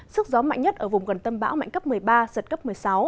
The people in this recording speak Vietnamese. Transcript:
sức gió mạnh nhất ở vùng gần tâm bão mạnh cấp một mươi ba giật cấp một mươi sáu